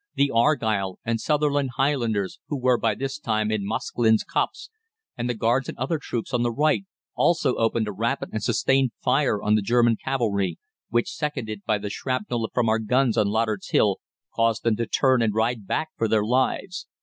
The Argyll and Sutherland Highlanders, who were by this time in Mosklyns Copse, and the Guards and other troops on the right, also opened a rapid and sustained fire on the German cavalry, which seconded by the shrapnel from our guns on Loddard's Hill, caused them to turn and ride back for their lives.